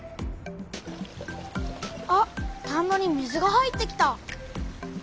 あ田んぼに水が入ってきた。